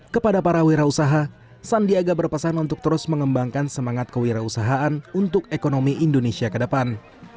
kepada para wira usaha sandiaga berpesan untuk terus mengembangkan semangat kewirausahaan untuk ekonomi indonesia ke depan